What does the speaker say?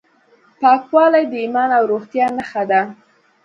پاکوالی د ایمان او روغتیا نښه ده.